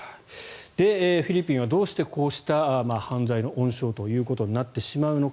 フィリピンはどうしてこうした犯罪の温床となってしまうのか。